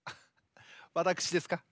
わたくしですか？